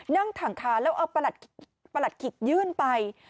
นั่งถังขาแล้วเอาประหลัดขิกยื่นไป